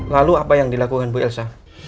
lalu apa yang dilakukan bu elsa